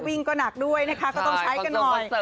วิ่งก็หนักด้วยนะคะก็ต้องใช้กันหน่อย